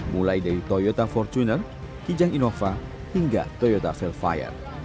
mulai dari toyota fortuner kijang innova hingga toyota velfire